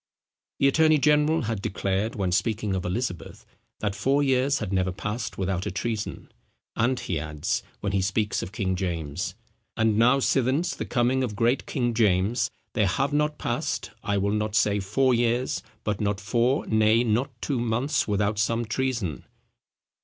The attorney general had declared, when speaking of Elizabeth, that four years had never passed without a treason: and he adds, when he speaks of King James, "and now since the coming of great King James, there have not passed, I will not say four years, but not four, nay not two months, without some treason."